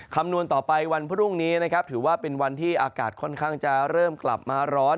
คำนวณต่อไปวันพรุ่งนี้นะครับถือว่าเป็นวันที่อากาศค่อนข้างจะเริ่มกลับมาร้อน